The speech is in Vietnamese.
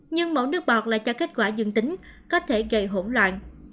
nhưng mẫu nước bọt là cho kết quả dân tính có thể gây hỗn loạn